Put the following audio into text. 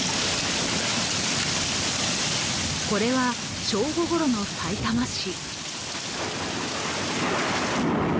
これは正午ごろのさいたま市。